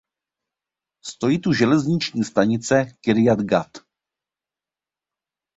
Stojí tu železniční stanice Kirjat Gat.